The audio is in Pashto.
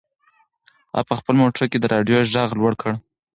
هغه په خپل موټر کې د رادیو غږ لوړ کړ.